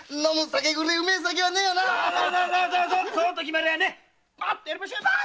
そうと決まりゃパーッとやりましょ！